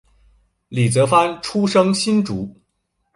李泽藩出生新竹